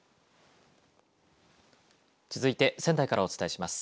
続いて仙台からお伝えします。